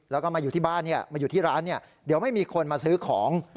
แล้วก็มาอยู่ที่บ้านมาอยู่ที่ร้านเดี๋ยวไม่มีคนมาซื้อของ